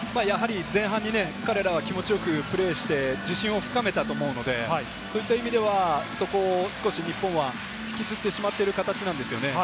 前半に彼らは気持ちよくプレーして自信を深めたと思うので、そういった意味では、そこを少し日本は引きずってしまってる形なんですよね。